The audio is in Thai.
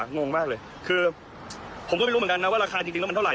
งงมากเลยคือผมก็ไม่รู้เหมือนกันนะว่าราคาจริงแล้วมันเท่าไ